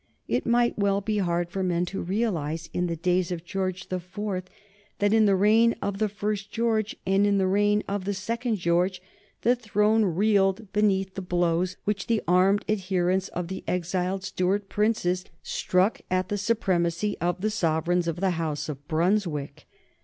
It might well be hard for men to realize in the days of George the Fourth that in the reign of the first George and in the reign of the second George the throne reeled beneath the blows which the armed adherents of the exiled Stuart princes struck at the supremacy of the sovereigns of the House of Brunswick.